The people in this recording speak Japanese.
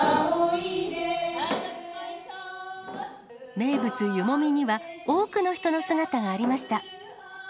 名物、湯もみには多くの人の姿がありました。